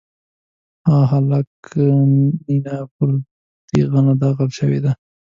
هغه لکه نېنه پر تېغنه داغل شوی دی.